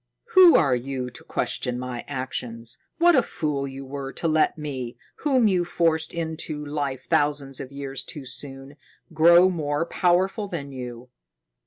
"Who are you to question my actions? What a fool you were to let me, whom you forced into life thousands of years too soon, grow more powerful than you!